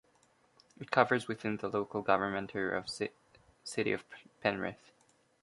It covers within the local government area of City of Penrith.